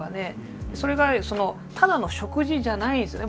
それがただの食事じゃないんですよね